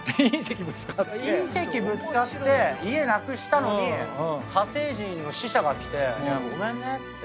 隕石ぶつかって家なくしたのに火星人の使者が来て「ごめんね」っつって。